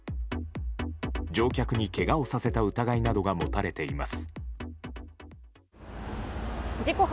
乗客にけがをさせた疑いなどが持たれています。